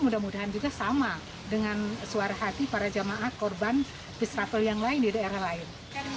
mudah mudahan juga sama dengan suara hati para jamaah korban distrapel yang lain di daerah lain